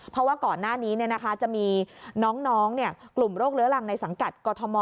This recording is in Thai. เพราะว่าก่อนหน้านี้เนี่ยนะคะจะมีน้องเนี่ยกลุ่มโรคเรื้อรังในสังกัดกรทม